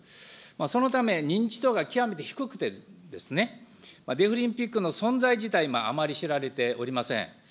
そのため認知度が極めて低くてですね、デフリンピックの存在自体もあまり知られておりません。